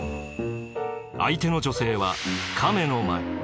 相手の女性は亀の前。